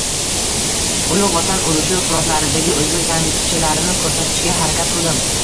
Ulug` Vatan urushi frontlaridagi o`zbek jangchilarini ko`rsatishga harakat qildim